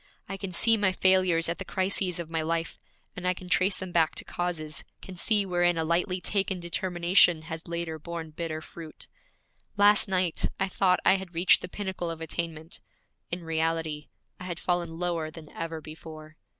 I can see my failures at the crises of my life, and I can trace them back to causes, can see wherein a lightly taken determination has later borne bitter fruit. Last night I thought I had reached the pinnacle of attainment; in reality I had fallen lower than ever before.